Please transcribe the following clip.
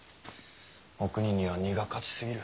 おくにには荷が勝ちすぎる。